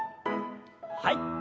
はい。